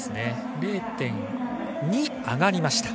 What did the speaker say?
０．２上がりました。